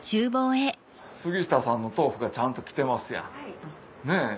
杉下さんの豆腐がちゃんと来てますやんねぇ。